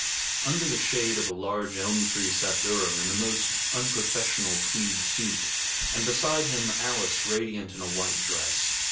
Under the shade of a large elm tree sat Durham, in the most unprofessional tweed suit, and beside him, Alice, radiant in a white dress.